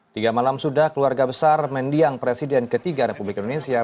tiga malam sudah keluarga besar mendiang presiden ketiga republik indonesia